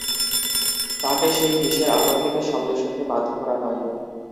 তাকে সেই কিসের আতংকিত শব্দ শুনতে বাধ্য করা হয়?